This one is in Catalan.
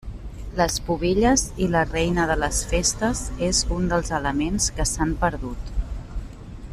Les pubilles i la Reina de les Festes és un dels elements que s'han perdut.